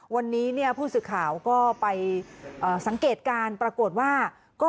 วันนี้ผู้ศึกข่าวก็ไปสังเกตการณ์ปรากฏว่า